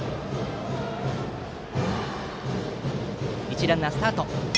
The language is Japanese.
一塁ランナー、スタート！